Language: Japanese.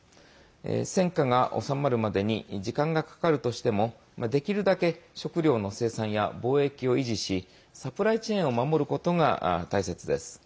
戦禍が収まるまでに時間がかかるとしてもできるだけ食糧の生産や貿易を維持しサプライチェーンを守ることが大切です。